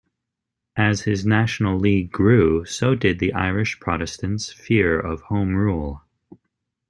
As his National League grew, so did the Irish Protestants' fear of Home Rule.